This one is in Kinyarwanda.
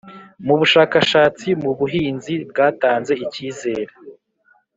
mu bushakashatsi mu buhinzi bwatanze ikizere